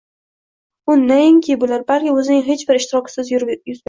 U nainki bular, balki o’zining hech bir ishtirokisiz yuz berdi.